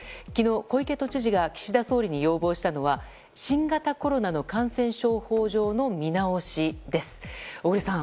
昨日、小池知事が岸田総理に要望したのは新型コロナの感染症法上の見直しです。